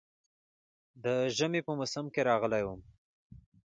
د ژمي په موسم کې راغلی وم.